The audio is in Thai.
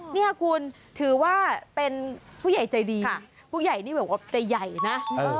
เนี่ยคุณถือว่าเป็นผู้ใหญ่ใจดีผู้ใหญ่นี่แบบว่าใจใหญ่นะ